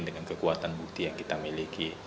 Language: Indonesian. dengan kekuatan bukti yang kita miliki